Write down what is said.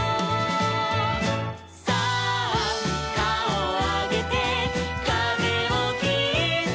「さあかおをあげてかぜをきって」